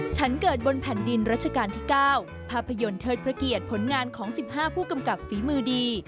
ฉันเกิดบนแผ่นดินรัชกาลที่๙ภาพยนตร์เทิดพระเกียรติผลงานของ๑๕ผู้กำกับฝีมือดี